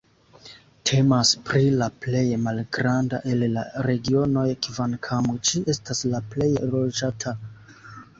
Temas pri la plej malgranda el la regionoj kvankam ĝi estas la plej loĝata.